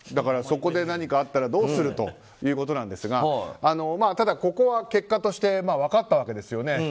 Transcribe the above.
そこで何かあったらどうするということなんですがただ、ここは結果として分かったわけですよね。